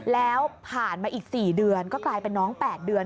แล้วผ่านมาอีก๔เดือนก็กลายเป็นน้อง๘เดือน